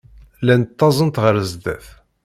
Llant ttaẓent ɣer sdat.